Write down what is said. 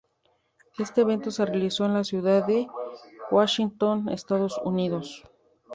Este evento se realizó en la ciudad de Washington, Estados Unidos.